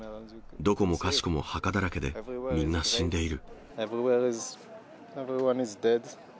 どこもかしこも墓だらけで、みんな死んでいる。